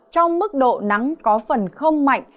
trong mức độ nắng có phần không mạnh